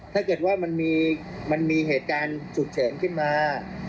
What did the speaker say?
ถ้าเกิดว่ามันมีเหตุการณ์ฉุกเฉินขึ้นมา